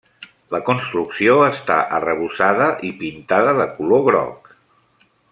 La construcció està arrebossada i pintada de color groc.